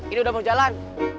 ini udah berjalan